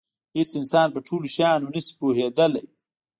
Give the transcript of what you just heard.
هېڅ انسان په ټولو شیانو نه شي پوهېدلی.